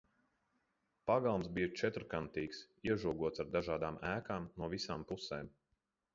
Pagalms bija četrkantīgs, iežogots ar dažādām ēkām no visām pusēm.